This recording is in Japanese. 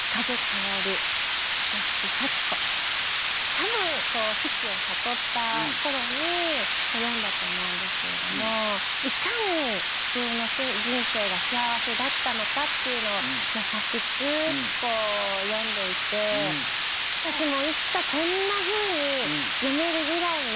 多分死期を悟った頃に詠んだと思うんですけれどもいかに自分の人生が幸せだったのかっていうのを優しく詠んでいて私もでもね